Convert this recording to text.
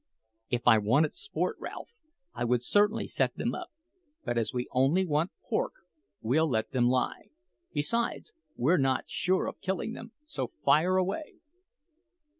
"If I wanted sport, Ralph, I would certainly set them up; but as we only want pork, we'll let them lie. Besides, we're not sure of killing them; so, fire away."